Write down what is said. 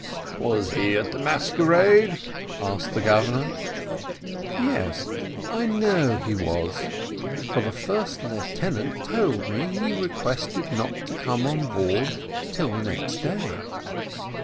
"Was he at the masquerade?" asked the Governor. "Yes, I know he was, for the first lieutenant told me that he requested not to come on board till the next day."